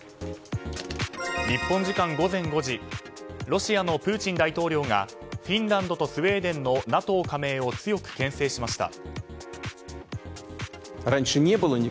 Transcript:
ロシアのプーチン大統領がフィンランドとスウェーデンのＮＡＴＯ加盟を強く牽制しました。